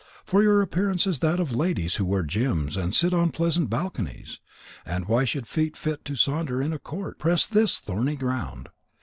For your appearance is that of ladies who wear gems and sit on pleasant balconies. And why should feet fit to saunter in a court, press this thorny ground?